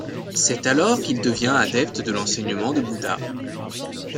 C'est alors qu'il devient adepte de l'enseignement de Bouddha.